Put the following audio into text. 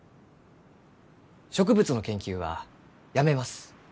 植物の研究はやめます。